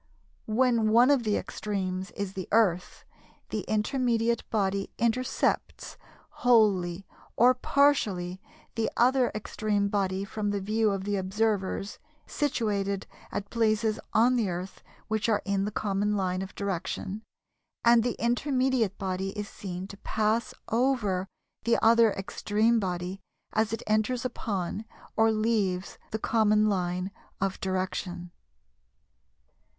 When one of the extremes is the Earth, the intermediate body intercepts, wholly or partially, the other extreme body from the view of the observers situate at places on the Earth which are in the common line of direction, and the intermediate body is seen to pass over the other extreme body as it enters upon or leaves the common line of direction.